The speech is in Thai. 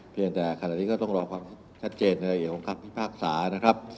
เพียงแต่ขณะนี้ก็ต้องรอความชัดเจนในรายละเอียดของคัมพิพากษา